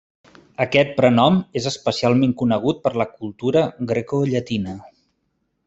Aquest prenom és especialment conegut per la cultura grecollatina.